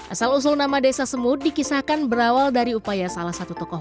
asal usul nama desa semut dikisahkan berawal dari upaya salah satu tokoh